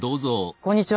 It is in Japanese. こんにちは。